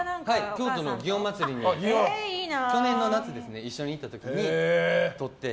京都の祇園祭に去年の夏一緒に行った時に撮って。